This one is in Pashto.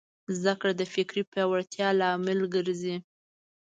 زدهکړه د فکري پیاوړتیا لامل ګرځي.